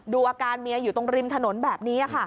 ดูอาการเมียอยู่ตรงริมถนนแบบนี้ค่ะ